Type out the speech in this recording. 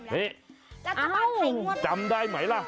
นี่จำได้ไหมล่ะ